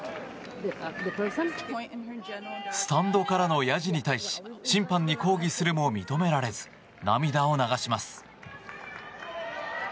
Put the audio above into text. スタンドからのやじに対し審判に抗議するも認められず涙を流します。